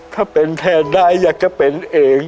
ถ้าเป็นแทนได้อยากจะเป็นเอง